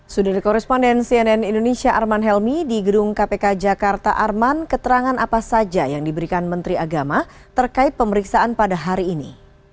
sudah dikoresponden cnn indonesia arman helmi di gedung kpk jakarta arman keterangan apa saja yang diberikan menteri agama terkait pemeriksaan pada hari ini